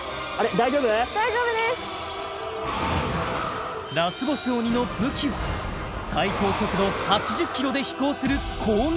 大丈夫ですラスボス鬼の武器は最高速度８０キロで飛行する攻撃